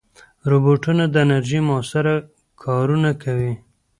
روبوټونه د انرژۍ مؤثره کارونه کوي.